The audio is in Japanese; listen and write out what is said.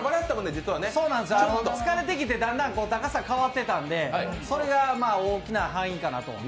疲れてきてだんだん高さが変わってきたのでそれが大きな敗因かなと。